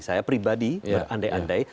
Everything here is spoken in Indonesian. saya pribadi berandai andai